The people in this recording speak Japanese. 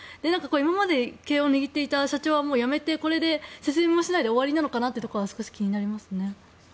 今まで経営を握っていた社長は辞めてこれで説明もしないで終わりなのかなというのは少し気になりますね。